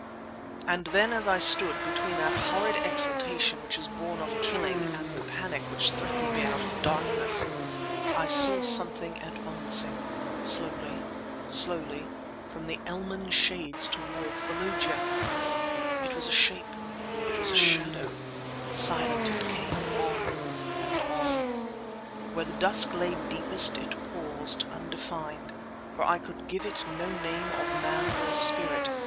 And then as I stood, between that horrid exultation which is born of killing and the panic which threatened me out of the darkness, I saw something advancing ... slowly ... slowly ... from the elmen shades toward the loggia. It was a shape—it was a shadow. Silent it came—on—and on. Where the dusk lay deepest it paused, undefined; for I could give it no name of man or spirit.